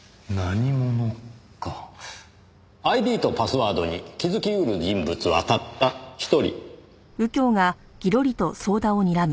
ＩＤとパスワードに気づき得る人物はたった一人。